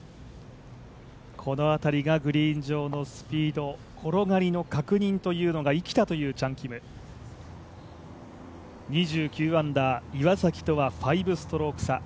この辺りがグリーン上のスピード転がりの確認というのが生きたというチャン・キム２９アンダー、岩崎とは５ストローク差。